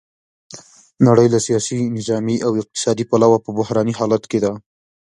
نړۍ له سیاسي، نظامي او اقتصادي پلوه په بحراني حالت کې ده.